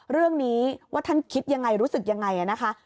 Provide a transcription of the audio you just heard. เรื่องนี้ว่าท่านคิดยังไงรู้สึกยังไงนะคะ